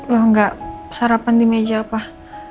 loh gak sarapan di meja pak